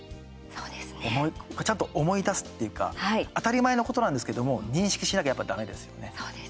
ちゃんと思い出すっていうか当たり前のことなんですけれども認識しなきゃやっぱだめですよね。